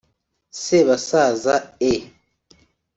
Sebasaza E